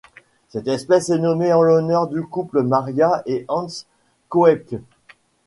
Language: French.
Cette espèce est nommée en l'honneur du couple Maria et Hans Koepcke.